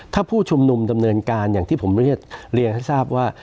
ถ้าผู้ชุมนุมดำเนินการอย่างที่ผมเรียนให้ทราบว่า